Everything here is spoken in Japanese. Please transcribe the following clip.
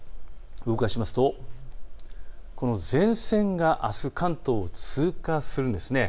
動かしますと、この前線があす関東を通過するんです。